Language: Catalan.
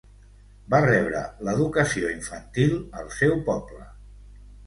Va rebre l'educació infantil al seu poble.